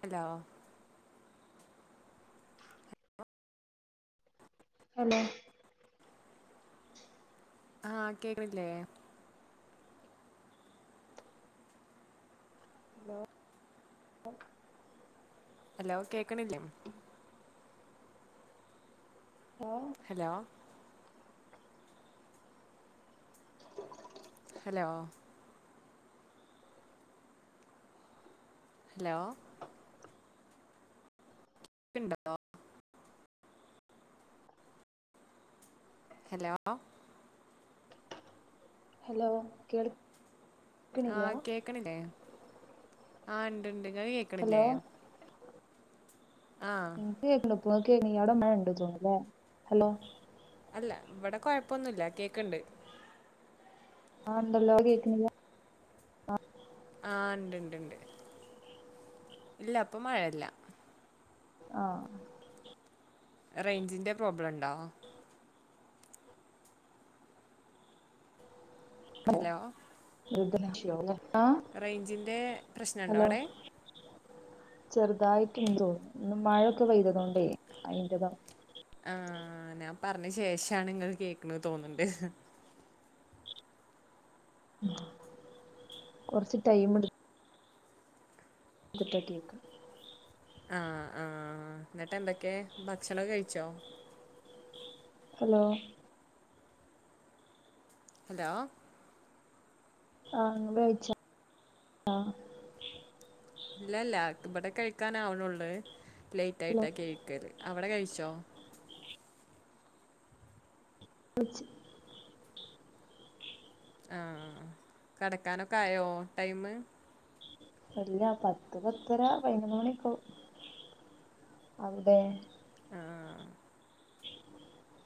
Hello hello ആഹ് കേക്കണില്ലേ? Hello hello കേക്കണില്ലേ? Hello hello. ഹലോ. ഹലോ. പിണ്ടോ ഹലോ. ഹലോ കേൾ ആ. കേക്ക്ണില്ലേ. ആ. ഇണ്ട്ണ്ട്. നിങ്ങക്ക് കേക്കണില്ലേ? ആ ഇൻക്ക് കേക്ക്ണ്ട് പോ. ഇങക്ക് കേക്ക്ണില്ലേ. അവിടെ മഴണ്ട് തോന്ന്ണ് ലെ. ഹലോ. അല്ല ഇവിടെ കൊഴപ്പൊന്നുല്ല കേക്കണ്ട് ആ ഇണ്ടല്ലോ. ഇപ്പ കേക്ക്ണില്ല. ആ. ആ ഉണ്ട് ഉണ്ട് ഉണ്ട് ഇല്ല. ഇപ്പൊ മഴല്ല. ആ. റേഞ്ചിന്റെ പ്രോബ്ലം ഉണ്ടോ? ഹലോ [unintelligible] റേഞ്ചിന്റെ പ്രശ്നണ്ടോ അടെ? ചെറുതായിട്ടുണ്ടോന്ന്. ഇന്ന് മഴൊക്കെ പെയ്തതോണ്ടേ അയിന്റതാ. ആ. ഞാൻ പറഞ്ഞ ശേഷാണ് ങ്ങൾ കേക്കണ തോന്നണ്ട്. കൊറച്ച് ടൈം എടു അപ്പത്തേക്ക് ആ. ആ. ന്നിട്ട് ന്തൊക്കെ. ഭക്ഷണം കഴിച്ചോ? ഹലോ ഹലോ ആ. ഇങ്ങള് കഴിച്ച. ആ. ഇല്ലല്ല. ഇവിടെ കഴിക്കൻ ആവണള്ളു ഹലോ ലേയ്റ്റായിട്ടാ കഴിക്കല്. അവിടെ കഴിച്ചോ? ലോ കൊർച്ച് ആ. കടക്കാനൊക്കെ ആയോ? ടൈമ്. ഇല്ല പത്ത് പത്തര പതിനൊന്ന് മണിയൊക്കെ അവ്ടെ. ആഹ്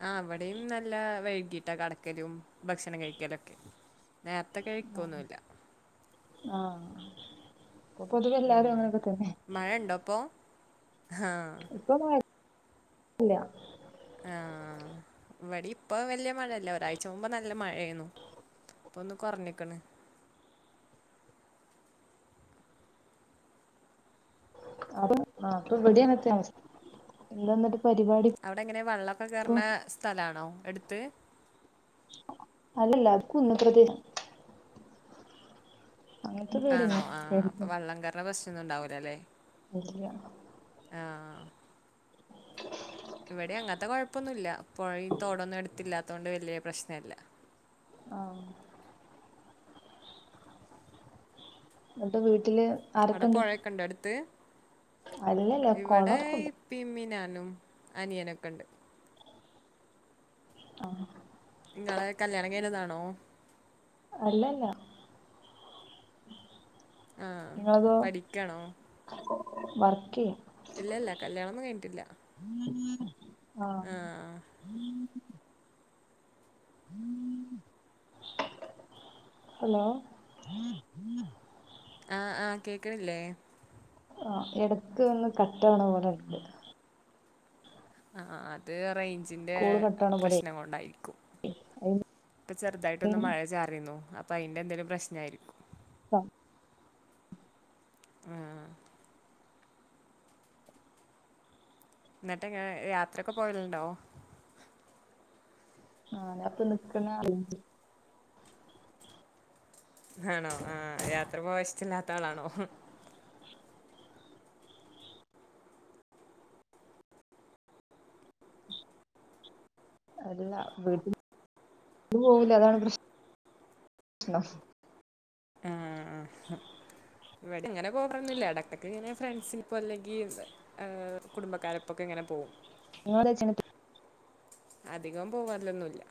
ആ. അവിടെയും നല്ല വൈകീട്ടാ കടക്കലും. ഭക്ഷണം കഴിക്കലൊക്കെ. നേരത്തെ കഴിക്കൊന്നുല്ല. ആ. അപ്പൊ പൊതുവെ എല്ലാരും അങ്ങനെയൊക്കെ തന്നെ. ആ ഇപ്പൊ മഴ ഇല്ല ആ. ഇവിടെ ഇപ്പൊ വലൃയ മഴല്ല. ഒരാഴ്ച മുമ്പ് നല്ല മഴയാരുന്നു. ഇപ്പൊന്ന് കൊറഞ്ഞക്ക്ണ് അതും. അപ്പൊ ഇവടിം അങ്ങൻ തന്നെ അവസഥ. എന്താന്നീട്ട് അവിടെ എങ്ങനെ വള്ളൊക്കെ കേറ്ണ സ്ഥലാണോ എട്ത്ത്. അല്ലല്ല കുന്ന് പ്രദേശാ ആണോ ആ അപ്പൊ പേടിയൊന്നും വള്ളം കാരണം ബസ്സൊന്നും ഉണ്ടാവൂല അല്ലേ ഇല്ല ആ. ഇവിടിം അങ്ങൻത്തെ കൊഴപ്പൊന്നുല്ല. പൊഴിം തോടൊന്നും എടുത്തില്ലാത്തൊണ്ട് വലിയ പ്രശ്നല്ല. ആ എന്നിട്ട് വീട്ടില് അവിടെ ആരൊക്കെണ്ട്? പുഴയൊക്കെ ഉണ്ട് അടുത്ത് അല്ലല്ല ഇവിടെ കൊളൊക്കെള്ളു ഇപ്പിം ഇമ്മിം ഞാനും അനിയനൊക്കെണ്ട്. ആ. നിങ്ങളെ കല്യാണം കയിഞ്ഞതാണോ? അല്ലല്ല ആ പഠിക്കണോ? വർക്കിയാ ഇല്ല ഇല്ല കല്യാണൊന്നും കഴിഞ്ഞിട്ടില്ല. [unintelligible] ആഹ് [unintelligible] ഹലോ ആ ആ കേക്കണില്ലേ ആ എടക്ക് ഒന്ന് കട്ടാവണ പോലെണ്ട് ആ അത് അറേഞ് ിന്റെ കോള് കട്ടാവണ പോലെ പ്രശ്നം കൊണ്ടായിരിക്കും ഇപ്പൊ ചെറുതായിട്ടൊന്ന് മഴ ചാറുന്നു അപ്പൊ അതിന്റെ എന്തേലിലും പ്രശ്ന ആയിരിക്കും ആ ആ എന്നിട്ട് എങ്ങനെ യാത്രയൊക്കെ പോയലണ്ടോ ആ അപ്പൊ നിിക്കുന്ന അ ആണോ ആ യാത്ര പോവശ്ടല്ലാത്ത ആളാണോ [inaudible] അല്ല വീട്ടിൽ പോവില്ല അതാണ് പ്രശ്നം [unintelligible] ആ ഇവിടെ അങ്ങനെ പോറന്നില്ല ഇടയ്ക്കൊക്കെ ഇങ്ങനെ ഫ്രണ്ട്സിന് ഇപ്പോ അല്ലെങ്കിൽ കുടുംബക്കാരപ്പോൊക്കെ അങ്ങനെ പോകും [unintelligible] അധികം പോവാില്ലൊന്നുല്ല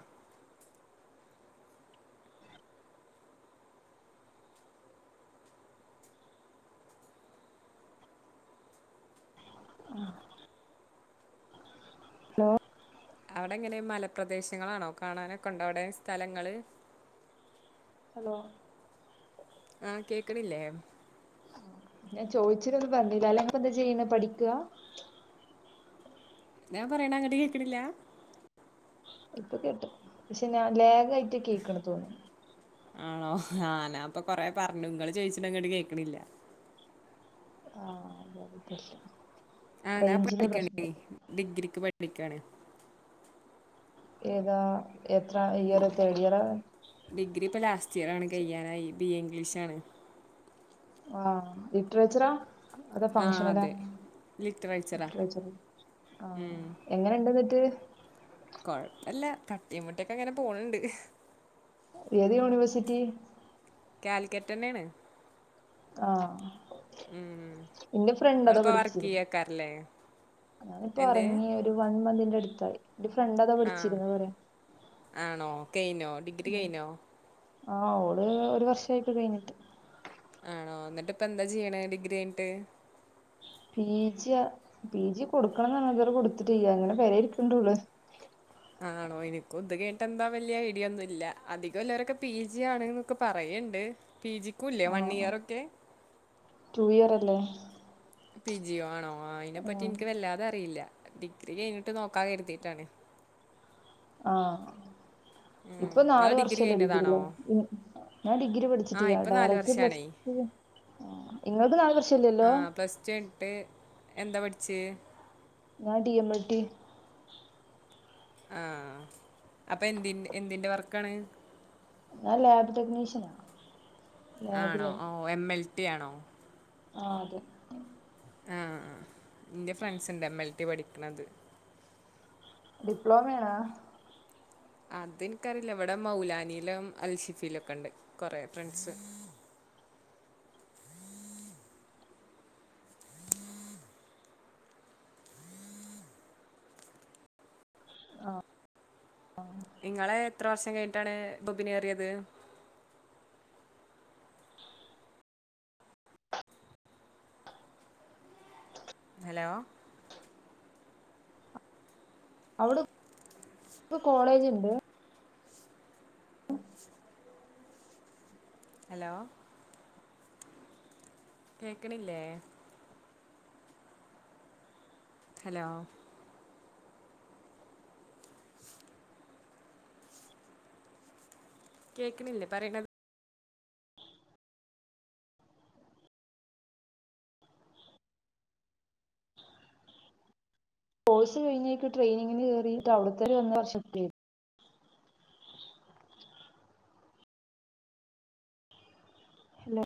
ആ ലോ അവിടെ എങ്ങനെ മലപ്രദേശങ്ങളാണോ കാണാനൊക്കെണ്ടോ അവിടെ സ്ഥലങ്ങള് ഹലോ ആ കേക്കണില്ലേ ഞാൻ ചോദിച്ചിട്ടന്ന് പറഞ്ഞില്ല അല്ലങ്കക്ക് എന്താ ചെയ്യണ പഠിക്ക ഞാൻ പറയണ അങ്ങട്ട് കേൾക്കണില്ല ഇപ്പ കേട്ടും പക്ഷെ ഞാൻ ലേഗയിട്ട് കേക്കണ തോന്നി ആണോ ആഞാ അപ്പൊ കൊറെേ പറഞ്ഞു ഇങ്ങൾ ചോയിിച്ചിട്ട അങ്ങോട്ട് കേക്കണില്ല ആ [unintelligible] ആ ഞാ പഠിക്കണ ഡിഗ്രിക്ക് പഠിക്കണേ ഏതാ എത്ര ഇയർ തേർഡ് ഇയറാ ഡിഗ്രി പലാസ്റ്റ് ഇയർ ആണ കയ്യാനായി ബി ഇംഗ്ലീഷ്ാണ് ആഹ ഇട്രച്ചറ അതാ ആ ഫഷനല്ലാ അതെ ലിറ്ററേച്ചറാ [unintelligible] ആ എങ്ങനെണ്ട [unintelligible] കൊഴപ്പല്ല തട്ടി മുട്ടിയോക്കെ അങ്ങനെ പോണണ്ട് ഏത് യൂണിവേഴ്സിറ്റി കൽിക്കറ്റ് ന്നെയാണ് ആ ഇന്ന ഫ്രണ്ടതാ നിങ്ങളിപ്പോ വർക്ക് പഠിച്ചിരുന്നു ചെയ്യക്കാരല്ലേ [unintelligible] പ്പോൊ എന്ത് ഇറങ്ങി ഒരു വൺ മന്തിന്റെ അടുത്തായി എന്റെ ഫ്രണ്ട് അതാ ആ വിടിച്ചിന്ന് പറയാ ആണോ കഴിഞ്ഞോ ഡിഗ്രി കഴിഞ്ഞോ ആ ഓള് ഒരു വർഷയിട്ട് കഴിഞ്ഞിട്ട് ആണോ എന്നിട്ട് ഇപ്പ എന്താ ചെയ്യണ ഡിഗ്രി അയിട്ട് പീജിയ പീ ജി കൊടുക്കണം എന്നാണ്തുവരെ കൊടുത്തിട്ട ചെയ്യ അങ്ങനെ പേ ഇരിക്കണ്ടള്ളു [unintelligible] ആണോ എനിക്കും ഇത് കേിട്ട എന്താ വലിയ ഐഡിയ ഒന്നും ഇല്ല അധികംല്ലരൊക്കെ പി ജി ആണ് എന്നൊക്കെ പറയ ഉണ്ട് പി ജിക്കും ഇല്ലേ വൺ ആഹ് ഇയർ ഒക്കെ ടു ഇയർ അല്ലേ പി ജിോ ആണോ ആ അതിനെപ്പറ്റി ആഹ് എനിക്ക് വല്ലാതെ അറിയില്ല ഡിഗ്രി കഴിഞ്ഞിട്ട് നോക്കാത കരുതിീട്ടാണ് ആഹ ഇപ്പൊ നാാല നിങ്ങളെ ഡിഗ്രി വർഷല്ല കഴിഞ്ഞതാണോ എടഗല്ലേ ഞാൻ ഡിഗ്രി ആ പഠിച്ചിട്ടയാ ഇപ്പം നാല് ഡയറക്റ്റ് പ്ലസ് വർഷമാണേ ഇങ്ങൾക്ക് നല് ആ പ്രശല്ലല്ലോ പ്ലസ് ടു കഴിഞ്ഞിട്ട് എന്താ പഠിച്ചേ ഞാൻ ഡി എം എൽ ടി ആ അപ്പൊ എന്തിന്റെ എന്തിന്റെ വർക്കാണ് ആ ലാബ് ടെക്നിഷ്യനാ ആണോ ഓ എം എൽ ടി ആണോ ആ അതെ ആ എന്റെ ഫ്രണ്ട്സ് ഉണ്ട് എം എൽ ടി പഠിക്കണത് ഡിപ്ലോമയാണോ അതെനിക്കറിയില്ല ഇവിടെ മൗലാനിയിലും അൽഷിഫിയില ഒക്കെ ഉണ്ട് കൊറെ ഫ്രണ്ട്സ് [unintelligible] ആ ആ നിങ്ങളെ എത്ര വർഷം കഴിഞ്ഞട്ടാണ് ബൊബിനേറിയത് ഹലോ അവിടെ കോളേജ് ഉണ്ടേ ഹലോ കേക്കണില്ലേ ഹലോ കേക്കണില്ലേ പറയിണത് കോഴ്സ് കഴിഞ്ഞട്ട് ട്രെയിനിങ്ങിന് കേറി അവിടുത്ത വന്ന വർഷത്തെ ഇലെ